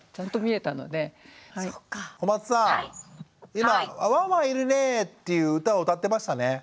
今「あわんわんいるね」っていう歌を歌ってましたね。